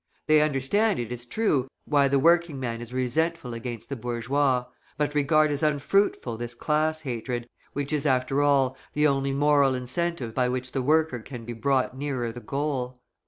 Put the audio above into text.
They understand, it is true, why the working man is resentful against the bourgeois, but regard as unfruitful this class hatred, which is, after all, the only moral incentive by which the worker can be brought nearer the goal.